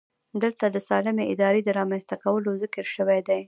دلته د سالمې ادارې د رامنځته کولو ذکر شوی دی.